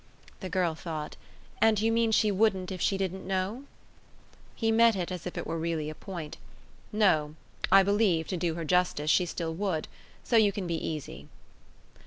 The girl thought. "And you mean she wouldn't if she did know ?" He met it as if it were really a point. "No. I believe, to do her justice, she still would. So you can be easy."